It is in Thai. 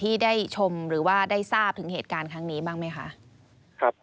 ที่ได้ชมหรือว่าได้ทราบถึงเหตุการณ์ครั้งนี้บ้างไหมคะครับ